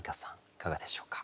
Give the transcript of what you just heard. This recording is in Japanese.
いかがでしょうか？